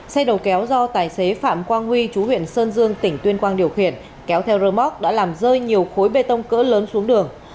xe đầu kéo do tài xế phạm quang huy chú huyện sơn dương tỉnh tuyên quang điều khiển kéo theo rơ móc đã làm rơi nhiều khối bê tông cỡ lớn xuống đường